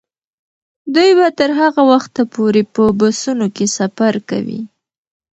دوی به تر هغه وخته پورې په بسونو کې سفر کوي.